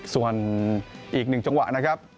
ส่วนอีก๑จังหวะนะครับ